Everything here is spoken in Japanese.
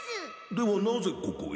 ではなぜここへ？